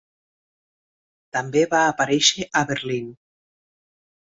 També va aparèixer a Berlín.